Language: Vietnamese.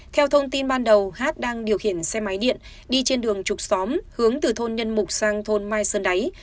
theo thông tin ban đầu hát đang điều khiển xe máy điện đi trên đường trục xóm hướng từ thôn nhân mục sang thôn mai sơn đáy